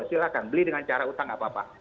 silahkan beli dengan cara utang apa apa